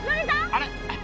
あれ？